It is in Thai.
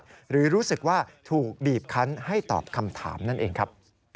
หรือรู้สึกว่าถูกบีบคันให้ตอบคำถามนั่นเองครับ